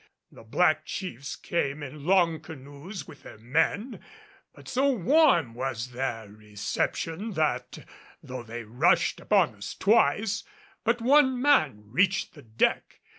The black chiefs came in long canoes with their men, but so warm was their reception that, though they rushed upon us twice, but one man reached the deck.